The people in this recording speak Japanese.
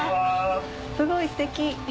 すごいステキ。